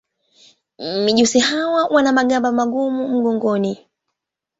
Mijusi hawa wana magamba magumu mgongoni.